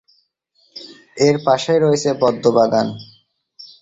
এর পাশেই রয়েছে পদ্মবাগান।